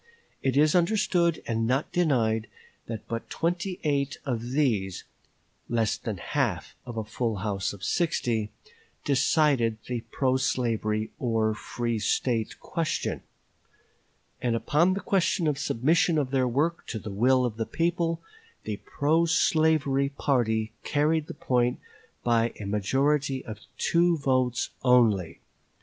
It is understood, and not denied, that but twenty eight of these less than half of a full house of sixty decided the pro slavery or free State question; and upon the question of submission of their work to the will of the people, the pro slavery party carried the point by a majority of two votes only.